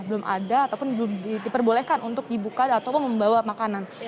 belum ada ataupun belum diperbolehkan untuk dibuka ataupun membawa makanan